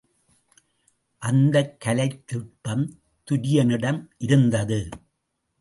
அந்தக் கலைத் திட்பம் துரியனிடம் இருந்தது.